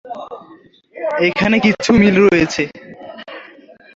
এখানে কিছু মিল রয়েছে।